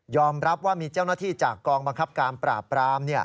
รับว่ามีเจ้าหน้าที่จากกองบังคับการปราบปราม